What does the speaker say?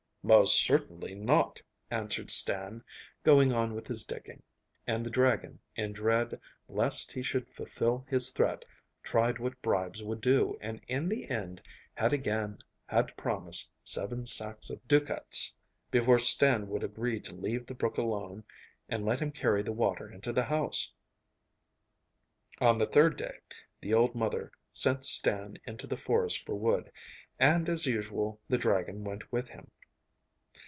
'Most certainly not,' answered Stan, going on with his digging, and the dragon, in dread lest he should fulfil his threat, tried what bribes would do, and in the end had again to promise seven sacks of ducats before Stan would agree to leave the brook alone and let him carry the water into the house. On the third day the old mother sent Stan into the forest for wood, and, as usual, the dragon went with him.